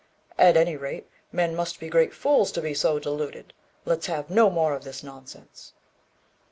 At any rate, men must be great fools to be so deluded. Let's have no more of this nonsense."